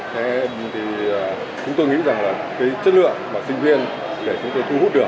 thế thì chúng tôi nghĩ rằng là cái chất lượng mà sinh viên để chúng tôi thu hút được